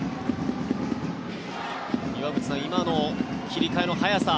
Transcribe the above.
岩渕さん、今の切り替えの速さ